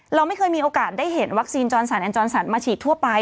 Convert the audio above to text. เราไม่เคยมีโอกาสได้เห็นวัคซีนจรสันแอนจรสันมาฉีดทั่วไป